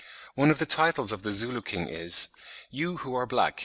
One of the titles of the Zulu king is, "You who are black."